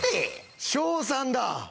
翔さんだ！